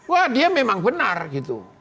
wah dia memang benar gitu